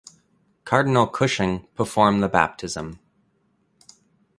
Cardinal Cushing performed the baptism.